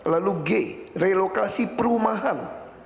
lalu g relokasi perumahan